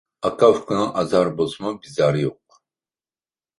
ئاكا-ئۇكىنىڭ ئازارى بولسىمۇ، بىزارى يوق.